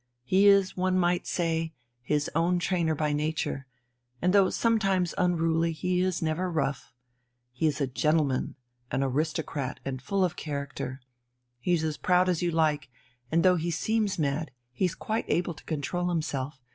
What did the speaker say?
He is, one might say, his own trainer by nature, and though sometimes unruly he is never rough. He is a gentleman, an aristocrat, and full of character. He's as proud as you like, and though he seems mad he's quite able to control himself.